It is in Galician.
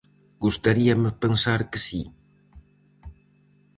Gustaríame pensar que si.